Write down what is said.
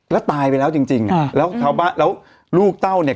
แล้วตายไปแล้วจริงแล้วลูกเต้าเนี่ย